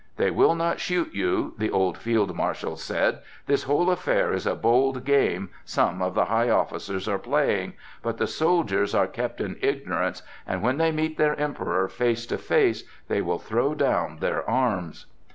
"They will not shoot you," the old field marshal said, "this whole affair is a bold game some of the high officers are playing, but the soldiers are kept in ignorance, and when they meet their Emperor face to face they will throw down their arms."